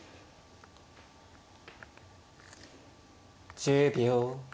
１０秒。